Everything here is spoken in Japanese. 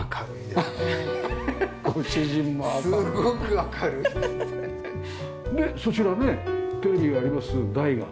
でそちらねテレビがあります台が。